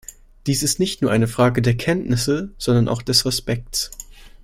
Dies ist nicht nur eine Frage der Kenntnisse, sondern auch des Respekts.